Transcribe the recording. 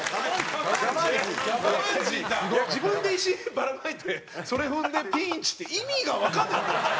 自分で石ばらまいてそれ踏んで「ピーンチ」って意味がわかんないもん。